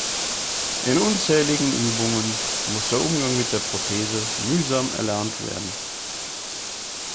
In unzähligen Übungen muss der Umgang mit der Prothese mühsam erlernt werden.